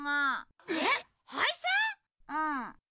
うん。